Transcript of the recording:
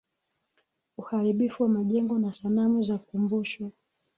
uharibifu wa majengo na sanamu za ukumbusho